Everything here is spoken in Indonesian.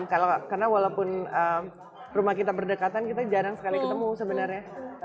karena walaupun rumah kita berdekatan kita jarang sekali ketemu sebenarnya